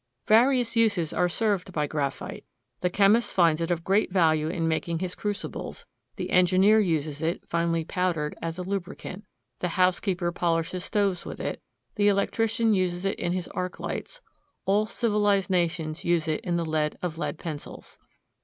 Various uses are served by graphite. The chemist finds it of great value in making his crucibles; the engineer uses it, finely powdered, as a lubricant; the housekeeper polishes stoves with it; the electrician uses it in his arc lights; all civilized nations use it in the lead of lead pencils.